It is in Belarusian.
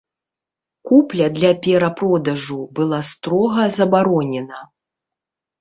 Купля для перапродажу была строга забаронена.